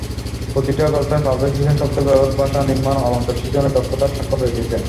প্রতিটি গল্পেই পারভেজ হোসেন শব্দ-ব্যবহার, ভাষা-নির্মাণ, অলংকার সৃজনে দক্ষতার স্বাক্ষর রেখেছেন।